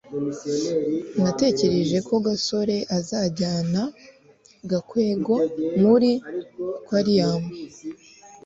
natekereje ko gasore azajyana gakwego muri aquarium